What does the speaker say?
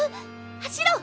走ろう！